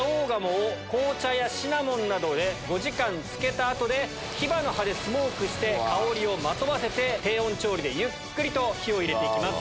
紅茶やシナモンなどで５時間つけた後でヒバの葉でスモークして香りをまとわせて低温調理でゆっくりと火を入れて行きます。